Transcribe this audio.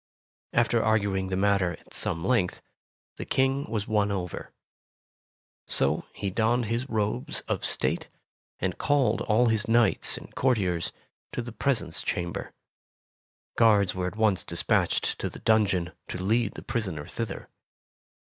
'' After arguing the matter at some length, the King was won over. So he donned his robes of state, and called all his knights and courtiers to the presence chamber. Guards were at once despatched to the dungeon to lead the prisoner thither.